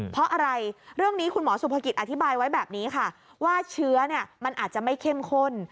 เพราะอะไรเรื่องนี้คุณหมอสุภกิจอธิบายไว้แบบนี้ค่ะว่าเชื้อมันอาจจะไม่เข้มข้น